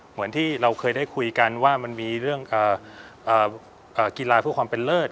เหมือนที่เราเคยได้คุยกันว่ามันมีเรื่องกีฬาเพื่อความเป็นเลิศ